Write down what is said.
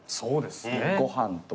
ご飯とか。